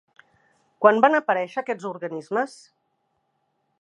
Quan van aparèixer aquests organismes?